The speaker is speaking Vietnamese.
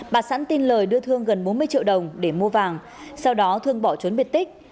bà sẵn tin lời đưa thương gần bốn mươi triệu đồng để mua vàng sau đó thương bỏ trốn biệt tích